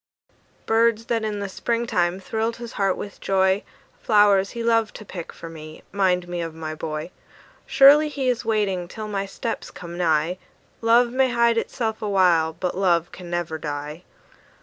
Birds that in the spring time thrilled his heart with joy, Flowers he loved to pick for me, 'mind me of my boy. Surely he is waiting till my steps come nigh; Love may hide itself awhile, but love can never die.